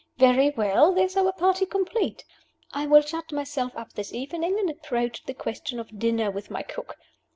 Very well; there is our party complete! I will shut myself up this evening and approach the question of dinner with my cook.